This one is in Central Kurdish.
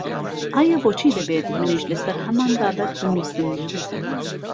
ئایا بۆچی دەبێت منیش لەسەر هەمان بابەت بنووسم؟